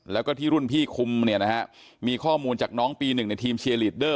แล้วก็ที่รุ่นพี่คุมเนี่ยนะฮะมีข้อมูลจากน้องปีหนึ่งในทีมเชียร์ลีดเดอร์